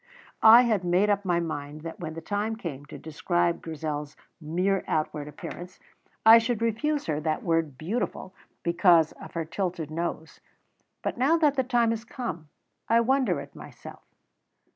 I had made up my mind that when the time came to describe Grizel's mere outward appearance I should refuse her that word "beautiful" because of her tilted nose; but now that the time has come, I wonder at myself.